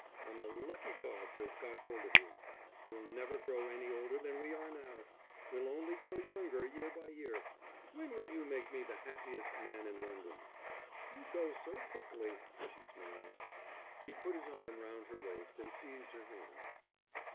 I'm a lucky dog to have got hold of you. We'll never grow any older than we are now; we'll only grow younger year by year. When will you make me the happiest man in London?" "You go so quickly," she smiled. He put his arm round her waist and seized her hand.